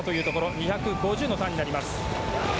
２５０のターンになります。